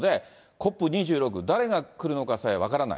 ＣＯＰ２６、誰が来るのかさえ分からない。